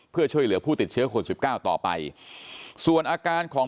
เพื่อช่วยเหลือผู้ติดเชื้อคนสิบเก้าต่อไปส่วนอาการของ